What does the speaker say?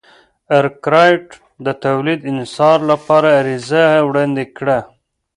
ارکرایټ د تولید انحصار لپاره عریضه وړاندې کړه.